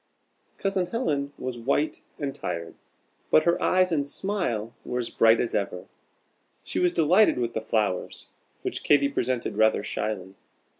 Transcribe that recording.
Cousin Helen was white and tired, but her eyes and smile were as bright as ever. She was delighted with the flowers, which Katy presented rather shyly.